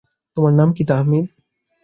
তোমার নাম তাহমিদ?